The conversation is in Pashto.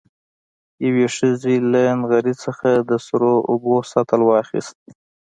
يوې ښځې له نغري څخه د سرو اوبو سطل واخېست.